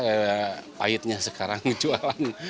iya terasa ya pahitnya sekarang jualan